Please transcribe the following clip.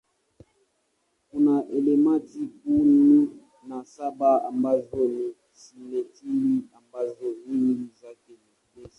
Kuna elementi kumi na saba ambazo ni simetili ambazo nyingi zake ni gesi.